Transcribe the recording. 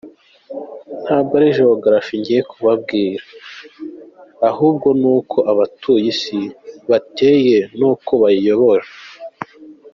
Ntabwo ari Geographie ngiye kubabwira ahubwo ni uko abatuye Isi bateye n’uko bayiyobora.